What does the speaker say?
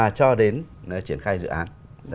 và cho đến triển khai dự án